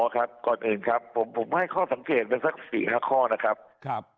ครับก่อนอื่นครับผมให้ข้อสังเกตไปสัก๔๕ข้อนะครับ